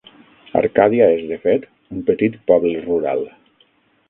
Arcàdia és, de fet, un petit poble rural.